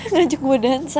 ngajak gue dansa